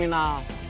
ini dari acai